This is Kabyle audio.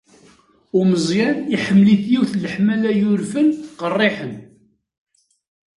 Umeẓyan, iḥemmel-it yiwet n leḥmala yurfen qerriḥen.